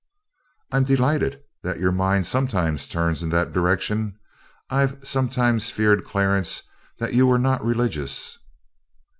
'" "I'm delighted that your mind sometimes turns in that direction. I've sometimes feared, Clarence, that you were not religious."